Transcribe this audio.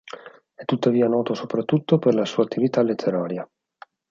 È tuttavia noto soprattutto per la sua attività letteraria.